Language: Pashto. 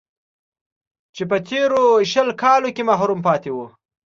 چې په تېرو شل کالو کې محروم پاتې و